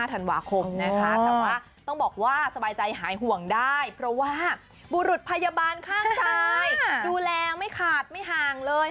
ธันวาคมนะคะแต่ว่าต้องบอกว่าสบายใจหายห่วงได้เพราะว่าบุรุษพยาบาลข้างกายดูแลไม่ขาดไม่ห่างเลย